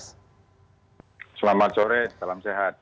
selamat sore salam sehat